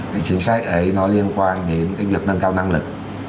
cái chính sách ấy nó liên quan đến cái việc nâng cao năng lực